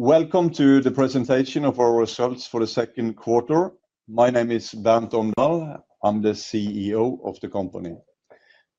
Welcome to the Presentation of Our Results for the Second Quarter. My name is Bernt Omdal. I'm the CEO of the company.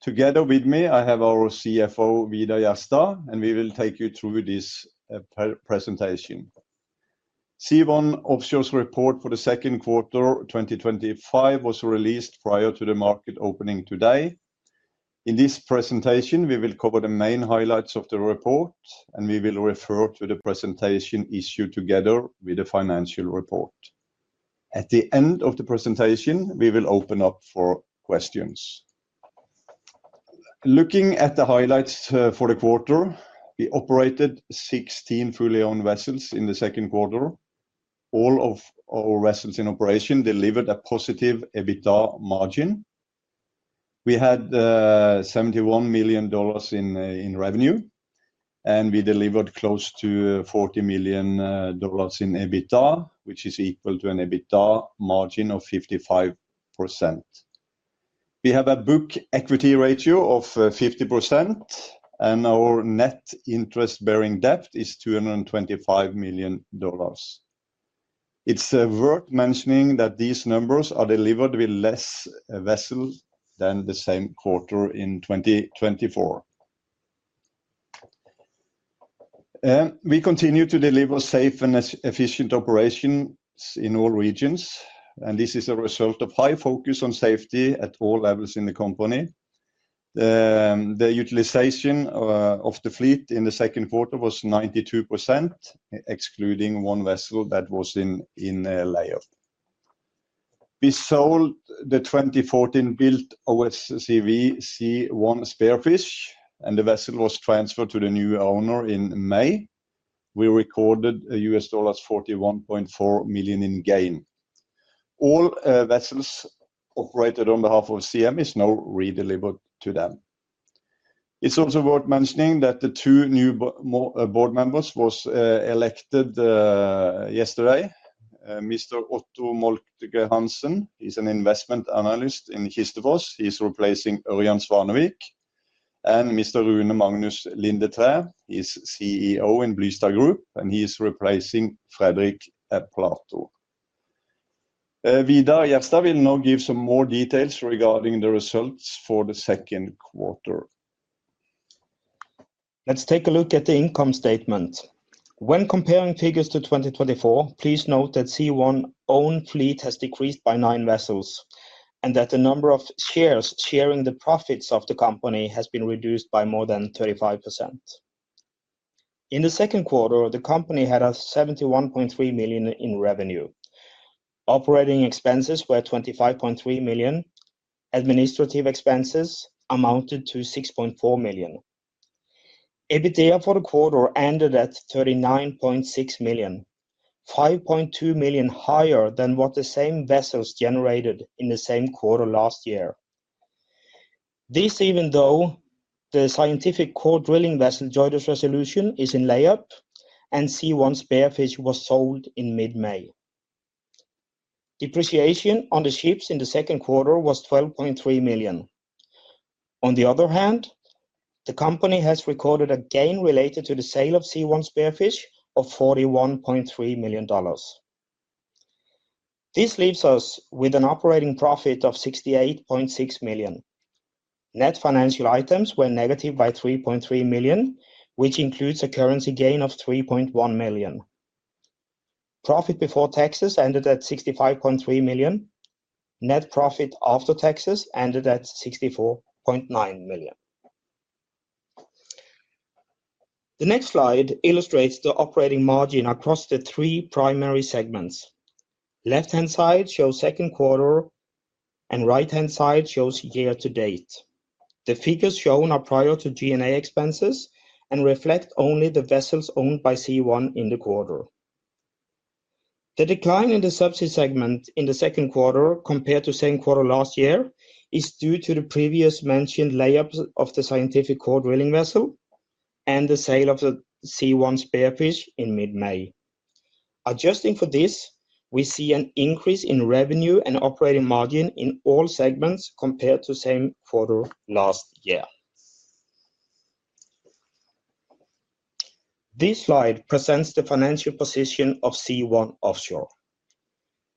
Together with me, I have our CFO, Vidar Jerstad, and we will take you through this presentation. Sea1 Offshore's Report for the Second Quarter 2025 was released prior to the market opening today. In this presentation, we will cover the main highlights of the report, and we will refer to the presentation issued together with the financial report. At the end of the presentation, we will open up for questions. Looking at the highlights for the quarter, we operated 16 fully-owned vessels in the second quarter. All of our vessels in operation delivered a positive EBITDA margin. We had $71 million in revenue, and we delivered close to $40 million in EBITDA, which is equal to an EBITDA margin of 55%. We have a book equity ratio of 50%, and our net interest-bearing debt is $225 million. It's worth mentioning that these numbers are delivered with less vessels than the same quarter in 2024. We continue to deliver safe and efficient operations in all regions, and this is a result of high focus on safety at all levels in the company. The utilization of the fleet in the second quarter was 92%, excluding one vessel that was in layoff. We sold the 2014-built OFCV Sea1 Spearfish, and the vessel was transferred to the new owner in May. We recorded $41.4 million in gain. All vessels operated on behalf of CM is now redelivered to them. It's also worth mentioning that the two new board members were elected yesterday. Mr. Otto Moltke-Hansen, he's an investment analyst in Kistefos. He's replacing Ørjan Svanevik. And Mr. Rune Magnus Lundetræ, he's CEO in Blystad Group, and he's replacing Fredrik Platou. Vidar Jerstad will now give some more details regarding the results for the second quarter. Let's take a look at the income statement. When comparing figures to 2024, please note that Sea1's own fleet has decreased by nine vessels and that the number of shares sharing the profits of the company has been reduced by more than 35%. In the second quarter, the company had $71.3 million in revenue. Operating expenses were $25.3 million. Administrative expenses amounted to $6.4 million. EBITDA for the quarter ended at $39.6 million, $5.2 million higher than what the same vessels generated in the same quarter last year. This even though the scientific core drilling vessel, JOIDES Resolution, is in layoff, and Sea1 Spearfish was sold in mid-May. Depreciation on the ships in the second quarter was $12.3 million. On the other hand, the company has recorded a gain related to the sale of Sea1 Spearfish of $41.3 million. This leaves us with an operating profit of $68.6 million. Net financial items were negative by $3.3 million, which includes a currency gain of $3.1 million. Profit before taxes ended at $65.3 million. Net profit after taxes ended at $64.9 million. The next slide illustrates the operating margin across the three primary segments. Left-hand side shows second quarter, and right-hand side shows year to date. The figures shown are prior to G&A expenses and reflect only the vessels owned by Sea1 in the quarter. The decline in the subsea segment in the second quarter compared to the same quarter last year is due to the previously mentioned layoffs of the scientific core drilling vessel and the sale of the Sea1 Spearfish in mid-May. Adjusting for this, we see an increase in revenue and operating margin in all segments compared to the same quarter last year. This slide presents the financial position of Sea1 Offshore.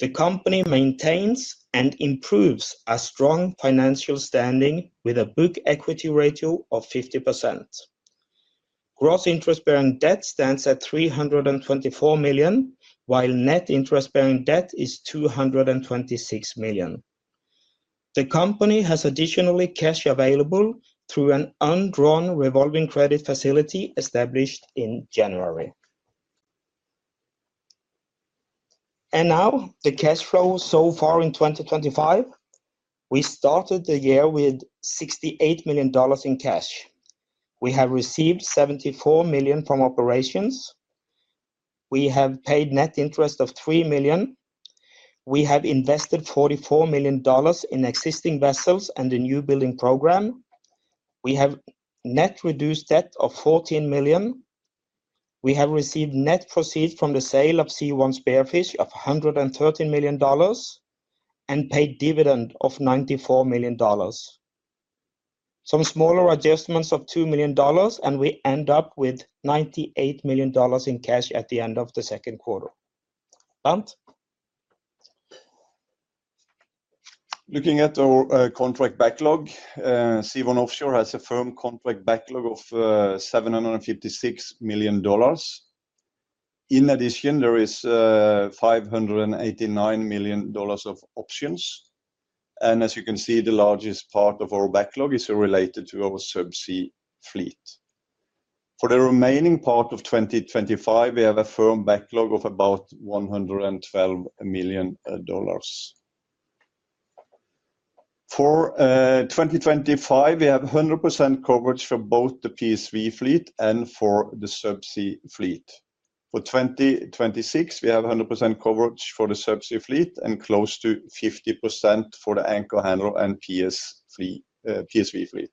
The company maintains and improves a strong financial standing with a book equity ratio of 50%. Gross interest-bearing debt stands at $324 million, while net interest-bearing debt is $226 million. The company has additional cash available through an undrawn revolving credit facility established in January. Now, the cash flow so far in 2025. We started the year with $68 million in cash. We have received $74 million from operations. We have paid net interest of $3 million. We have invested $44 million in existing vessels and the new building program. We have net reduced debt of $14 million. We have received net proceeds from the sale of Sea1 Spearfish of $113 million and paid dividend of $94 million. Some smaller adjustments of $2 million, and we end up with $98 million in cash at the end of the second quarter. Looking at our contract backlog, Sea1 Offshore has a firm contract backlog of $756 million. In addition, there is $589 million of options. As you can see, the largest part of our backlog is related to our subsea fleet. For the remaining part of 2025, we have a firm backlog of about $112 million. For 2025, we have 100% coverage for both the PSV fleet and for the subsea fleet. For 2026, we have 100% coverage for the subsea fleet and close to 50% for the anchor handler and PSV fleet.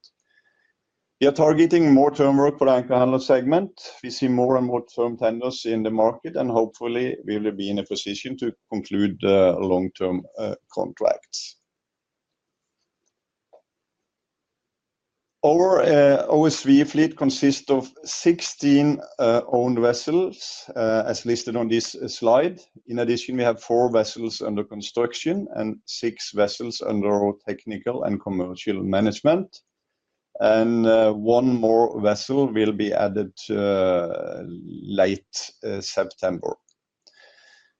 We are targeting more firm work for the anchor handler segment. We see more and more firm tenders in the market, and hopefully, we will be in a position to conclude the long-term contracts. Our OFCV fleet consists of 16 owned vessels, as listed on this slide. In addition, we have four vessels under construction and six vessels under technical and commercial management. One more vessel will be added late September.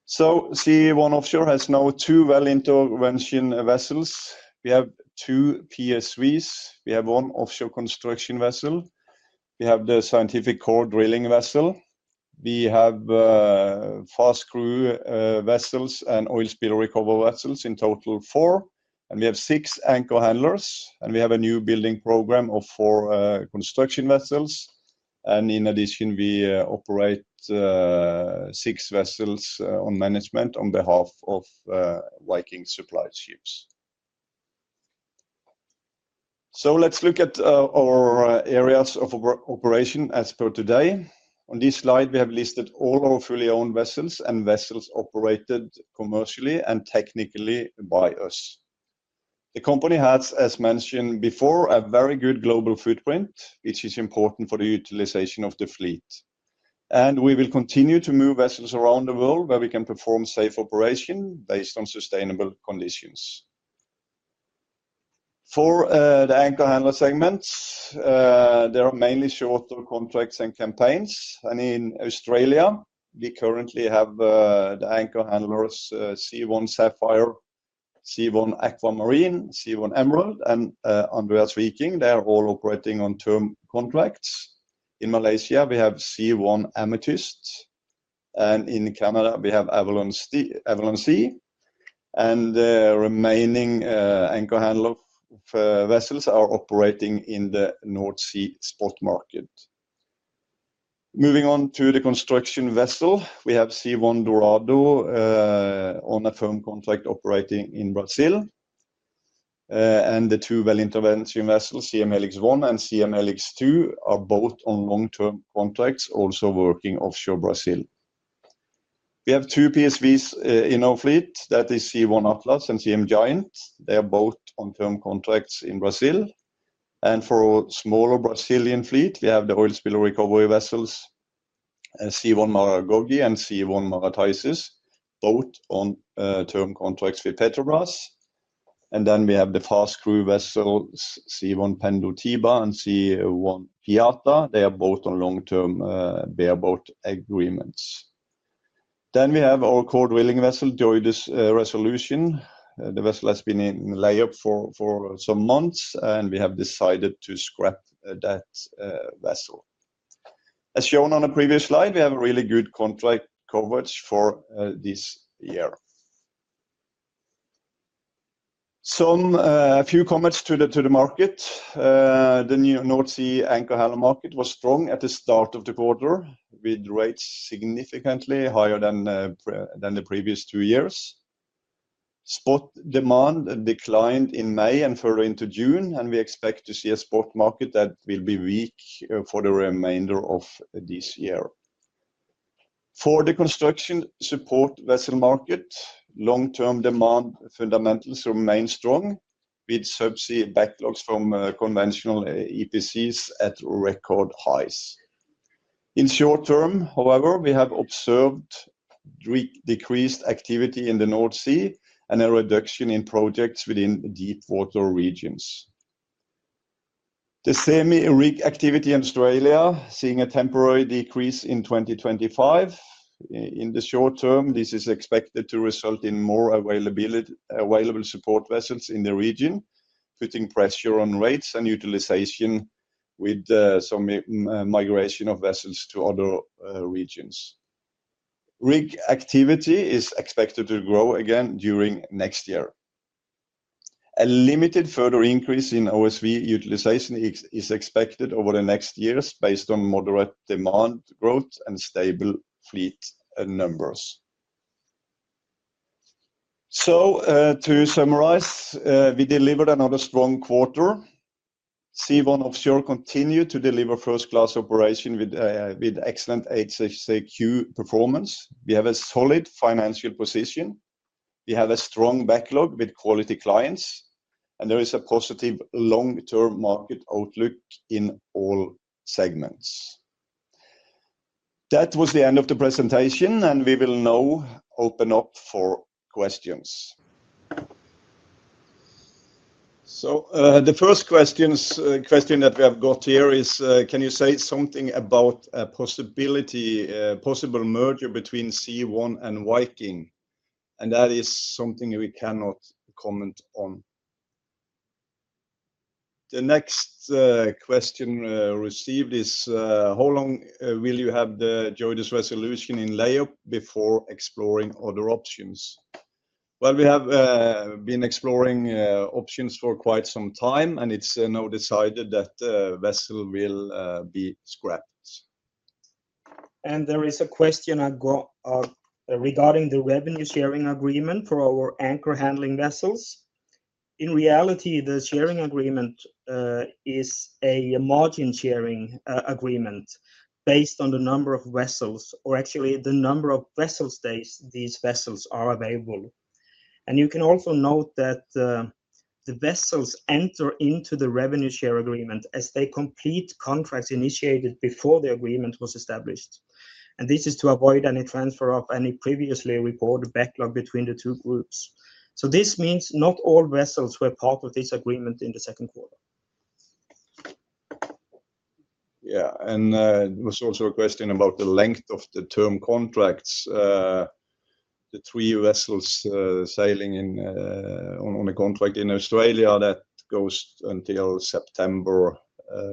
Sea1 Offshore has now two well-intervention vessels. We have two PSVs. We have one offshore construction vessel. We have the scientific core drilling vessel. We have fast crew vessels and oil spill recovery vessels, in total four. We have six anchor handlers, and we have a new building program of four construction vessels. In addition, we operate six vessels on management on behalf of Viking Supply Ships. Let's look at our areas of operation as per today. On this slide, we have listed all our fully owned vessels and vessels operated commercially and technically by us. The company has, as mentioned before, a very good global footprint, which is important for the utilization of the fleet. We will continue to move vessels around the world where we can perform safe operations based on sustainable conditions. For the anchor handler segments, there are mainly shorter contracts and campaigns. In Australia, we currently have the anchor handlers Sea1 Sapphire, Sea1 Aquamarine, Sea1 Emerald, and Andreas Viking. They are all operating on term contracts. In Malaysia, we have Sea1 Amethyst. In Canada, we have Avalon Sea. The remaining anchor handler vessels are operating in the North Sea spot market. Moving on to the construction vessel, we have Sea1 Dorado on a firm contract operating in Brazil. The two well-intervention vessels, Siem Helix 1 and Siem Helix 2, are both on long-term contracts, also working offshore Brazil. We have two PSVs in our fleet. That is Sea1 Atlas and Siem Giant. They are both on term contracts in Brazil. For our smaller Brazilian fleet, we have the oil spill recovery vessels Siem Maragogi and Siem Marataizes, both on term contracts with Petrobras. We have the fast crew vessels Siem Pendotiba and Siem Piata. They are both on long-term bareboat agreements. We have our core drilling vessel, JOIDES Resolution. The vessel has been in layoff for some months, and we have decided to scrap that vessel. As shown on the previous slide, we have a really good contract coverage for this year. A few comments to the market. The North Sea anchor handler market was strong at the start of the quarter, with rates significantly higher than the previous two years. Spot demand declined in May and further into June, and we expect to see a spot market that will be weak for the remainder of this year. For the construction support vessel market, long-term demand fundamentals remain strong, with subsea backlogs from conventional EPCs at record highs. In the short term, however, we have observed decreased activity in the North Sea and a reduction in projects within deepwater regions. The semi-rig activity in Australia is seeing a temporary decrease in 2025. In the short term, this is expected to result in more available support vessels in the region, putting pressure on rates and utilization, with some migration of vessels to other regions. Rig activity is expected to grow again during next year. A limited further increase in OFCV utilization is expected over the next years, based on moderate demand growth and stable fleet numbers. To summarize, we delivered another strong quarter. Sea1 Offshore continued to deliver first-class operations with excellent HSAQ performance. We have a solid financial position. We have a strong backlog with quality clients, and there is a positive long-term market outlook in all segments. That was the end of the presentation, and we will now open up for questions. The first question that we have got here is, can you say something about a possible merger between Sea1 and Viking? That is something we cannot comment on. The next question received is, how long will you have the JOIDES Resolution in layoff before exploring other options? We have been exploring options for quite some time, and it's now decided that the vessel will be scrapped. There is a question regarding the revenue sharing agreement for our anchor handling vessels. In reality, the sharing agreement is a margin sharing agreement based on the number of vessels, or actually the number of vessel stays these vessels are available. You can also note that the vessels enter into the revenue share agreement as they complete contracts initiated before the agreement was established. This is to avoid any transfer of any previously recorded contract backlog between the two groups. This means not all vessels were part of this agreement in the second quarter. Yeah, there was also a question about the length of the term contracts. The three vessels sailing on a contract in Australia, that goes until September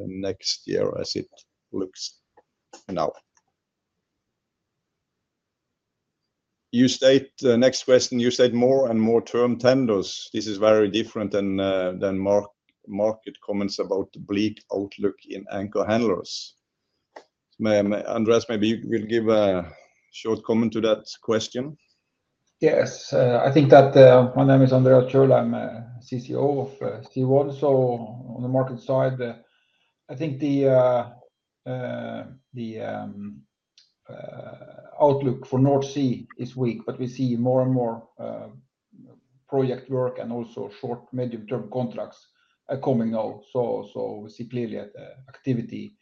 next year, as it looks now. You state the next question. You state more and more term tenders. This is very different than market comments about the bleak outlook in anchor handling tug supply vessels. Andreas, maybe you will give a short comment to that question. Yes, I think that my name is Andreas Kjøl. I'm CCO of Sea1 Offshore. On the market side, I think the outlook for North Sea is weak, but we see more and more project work and also short, medium-term contracts are coming now. We see clearly that the activity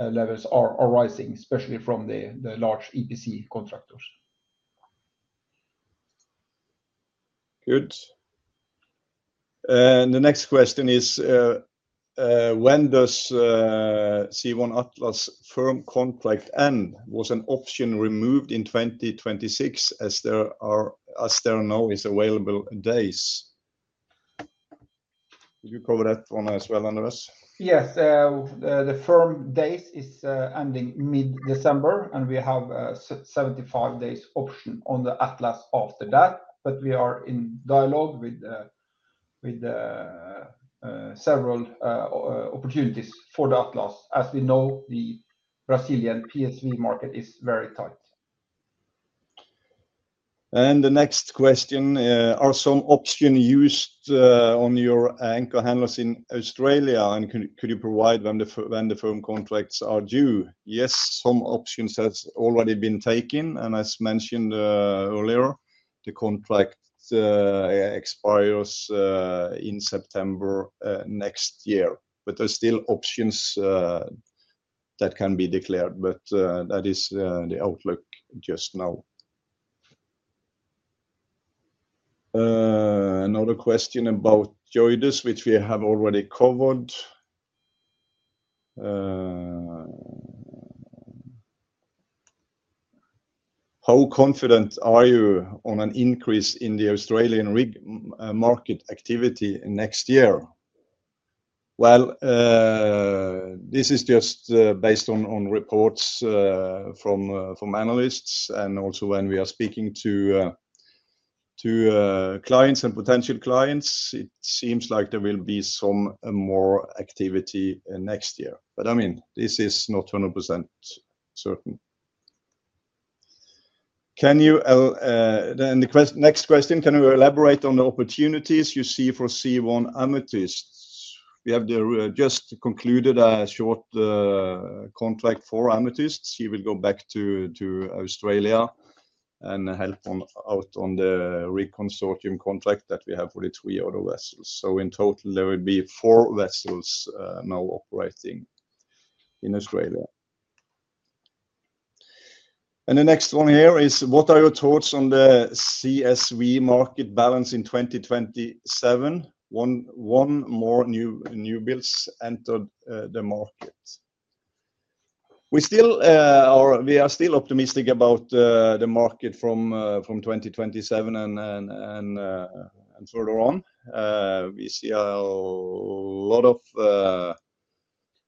levels are rising, especially from the large EPC contractors. Good. The next question is, when does Sea1 Atlas firm contract end? Was an option removed in 2026 as there are no available days? Did you cover that one as well, Andreas? Yes, the firm date is ending mid-December, and we have a 75-day option on the Sea1 Atlas after that. We are in dialogue with several opportunities for the Sea1 Atlas. As we know, the Brazilian PSV market is very tight. The next question, are some options used on your anchor handling tug supply vessels in Australia, and could you provide when the firm contracts are due? Yes, some options have already been taken, and as mentioned earlier, the contract expires in September next year. There are still options that can be declared, but that is the outlook just now. Another question about JOIDES Resolution, which we have already covered. How confident are you on an increase in the Australian rig market activity next year? This is just based on reports from analysts, and also when we are speaking to clients and potential clients, it seems like there will be some more activity next year. This is not 100% certain. The next question, can you elaborate on the opportunities you see for Sea1 Amethyst? We have just concluded a short contract for Amethyst. She will go back to Australia and help out on the rig consortium contract that we have with the three other vessels. In total, there will be four vessels now operating in Australia. The next one here is, what are your thoughts on the offshore subsea construction vessel market balance in 2027? One more new build has entered the market. We are still optimistic about the market from 2027 and further on. We see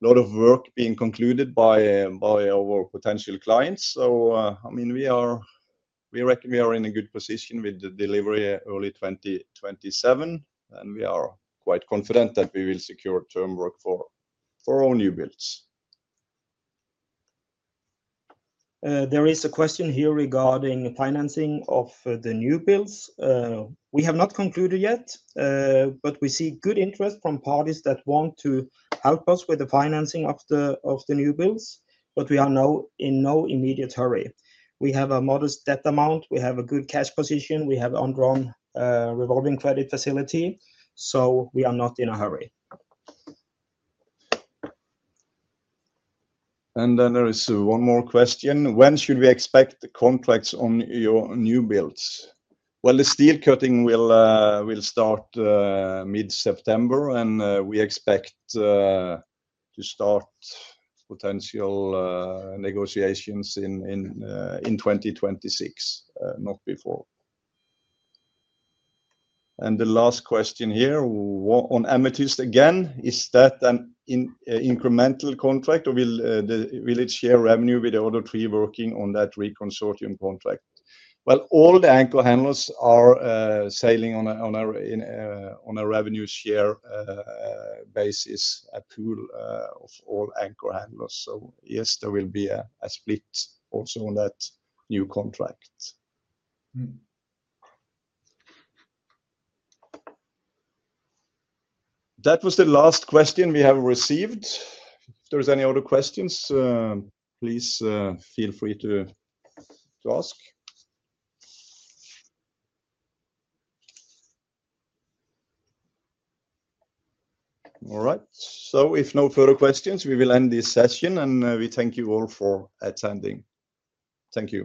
a lot of work being concluded by our potential clients. We are in a good position with the delivery early 2027, and we are quite confident that we will secure term work for our new builds. There is a question here regarding financing of the new builds. We have not concluded yet, but we see good interest from parties that want to help us with the financing of the new builds. We are now in no immediate hurry. We have a modest debt amount, a good cash position, and an undrawn revolving credit facility, so we are not in a hurry. There is one more question. When should we expect the contracts on your new builds? The steel cutting will start mid-September, and we expect to start potential negotiations in 2026, not before. The last question here on Amethyst again, is that an incremental contract, or will it share revenue with the other three working on that rig consortium contract? All the anchor handling tug supply vessels are sailing on a revenue share basis for all anchor handling tug supply vessels. Yes, there will be a split also on that new contract. That was the last question we have received. If there are any other questions, please feel free to ask. All right. If no further questions, we will end this session, and we thank you all for attending. Thank you.